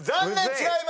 違います！